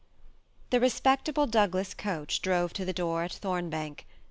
The respectable Douglas coach drove to the door at Thombank.